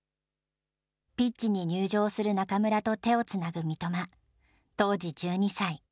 ピッチに入場する中村と手をつなぐ三笘、当時１２歳。